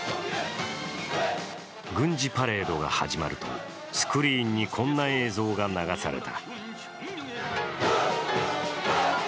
軍事パレードが始まると、スクリーンにこんな映像が流された。